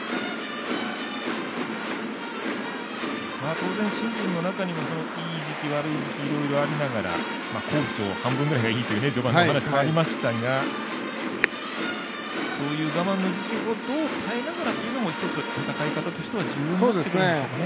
当然、シーズンの中にもいい時期、悪い時期いろいろありながら好不調半分ぐらいがいいという序盤のお話もありましたがそういう我慢の時期をどう耐えながらというのも一つ、戦い方としては重要になってくるんでしょうかね。